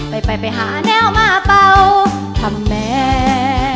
ไปไปหาแนวมาเป่าทำแม่